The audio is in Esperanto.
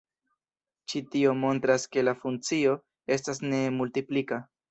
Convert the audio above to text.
Ĉi tio montras ke la funkcio estas ne multiplika.